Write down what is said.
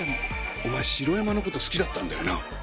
お前、城山のこと好きだったよな。